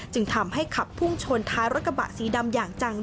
จึงทำให้ขับพุ่งชนท้ายรถกระบะสีดำอย่างจัง